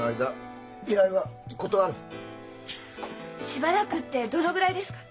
「しばらく」ってどのぐらいですか？